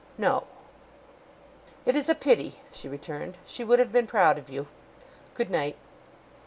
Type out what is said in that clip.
'No.' 'It is a pity,' she returned. 'She would have been proud of you. Good night!